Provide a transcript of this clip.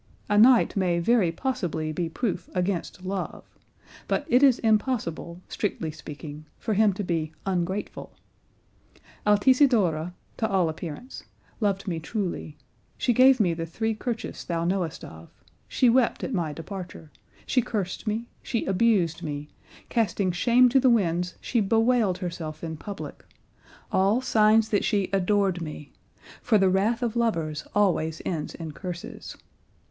A knight may very possibly be proof against love; but it is impossible, strictly speaking, for him to be ungrateful. Altisidora, to all appearance, loved me truly; she gave me the three kerchiefs thou knowest of; she wept at my departure, she cursed me, she abused me, casting shame to the winds she bewailed herself in public; all signs that she adored me; for the wrath of lovers always ends in curses.